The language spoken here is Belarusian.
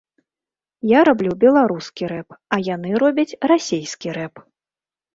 Я раблю беларускі рэп, а яны робяць расейскі рэп.